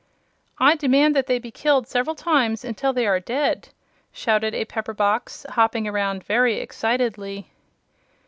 "I demand that they be killed several times, until they are dead!" shouted a pepperbox, hopping around very excitedly.